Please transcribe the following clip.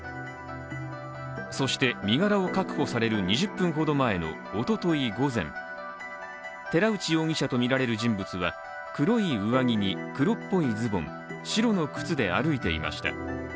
そして、身柄を確保される２０分ほど前のおととい午前、寺内容疑者とみられる人物は黒い上着に黒っぽいズボン白の靴で歩いていました。